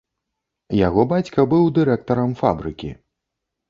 Яго бацька быў дырэктарам фабрыкі.